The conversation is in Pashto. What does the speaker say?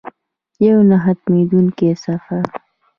یو نه ختمیدونکی سفر.